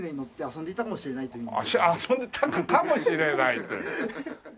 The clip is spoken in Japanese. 「遊んでたかもしれない」という。